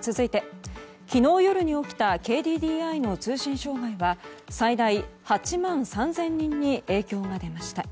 続いて、昨日夜に起きたＫＤＤＩの通信障害は最大８万３０００人に影響が出ました。